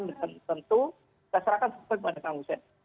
dan tentu saya serahkan sesuai kepada kang hussein